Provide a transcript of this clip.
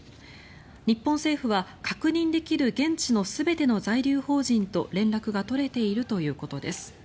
日本政府は、確認できる現地の全ての在留邦人と連絡が取れているということです。